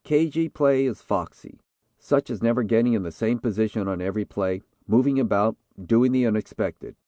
'Cagey' play is foxy such as never getting in the same position on every play, moving about, doing the unexpected.